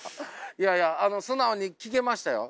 いやいや素直に聞けましたよ。